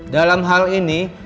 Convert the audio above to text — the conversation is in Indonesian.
dalam hal ini